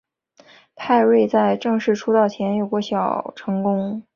派瑞在正式出道前有过小成功。